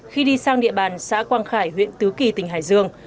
khi đi sang địa bàn xã quang khải huyện tứ kỳ tỉnh hải dương